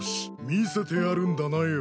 見せてやるんだなよ。